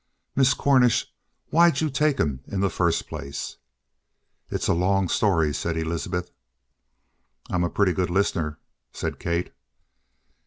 "Miss Cornish, why'd you take him in in the first place?" "It's a long story," said Elizabeth. "I'm a pretty good listener," said Kate.